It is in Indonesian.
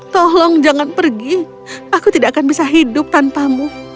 tolong jangan pergi aku tidak akan bisa hidup tanpamu